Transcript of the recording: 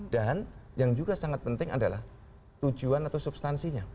dan yang juga sangat penting adalah tujuan atau substansinya